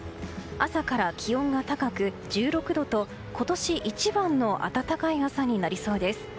朝から気温が高く１６度と今年一番の暖かい朝になりそうです。